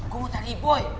gua mau nyari boy